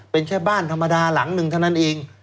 เป็นแค่บ้านธรรมดาหลังหนึ่งเท่านั้นเอง